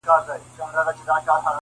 بزم دی پردی پردۍ نغمې پردۍ سندري دي,